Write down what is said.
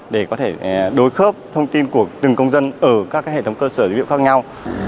để có thể đối khớp thông tin của từng công dân ở các hệ thống cơ sở dữ liệu khác nhau